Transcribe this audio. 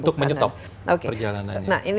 untuk menyetop perjalanannya